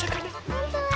ほんとだ！